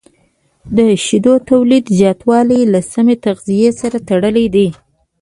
د شیدو تولید زیاتوالی له سمه تغذیې سره تړلی دی.